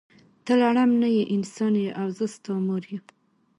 ته لړم نه یی انسان یی او زه ستا مور یم.